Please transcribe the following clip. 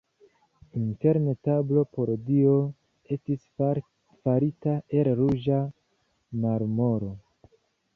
Interne tablo por Dio estis farita el ruĝa marmoro.